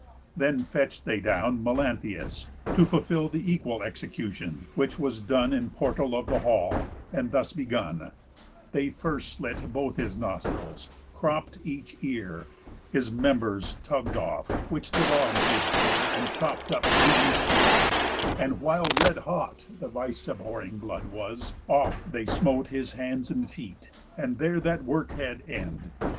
Then fetch'd they down Melanthius, to fulfill The equal execution; which was done In portal of the hall, and thus begun: They first slit both his nostrils, cropp'd each ear, His members tugg'd off, which the dogs did tear And chop up bleeding sweet; and, while red hot The vice abhorring blood was, off they smote His hands and feet; and there that work had end.